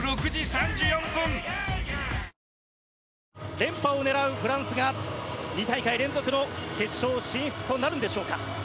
連覇を狙うフランスが２大会連続の決勝進出となるのでしょうか。